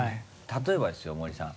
例えばですよ森さん。